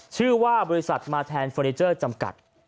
ชื่อว่าบริษัทมาแทนเฟอร์นิเจอร์จำกัด